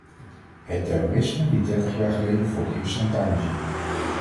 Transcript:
Het terrorisme liet dertig jaar geleden voor het eerst zijn tanden zien.